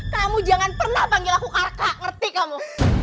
kamu jangan pernah panggil aku arka ngerti kamu